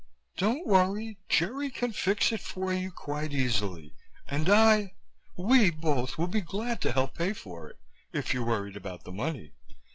Don't worry. Jerry can fix it for you quite easily and I we both will be glad to help pay for it, if you're worried about the money.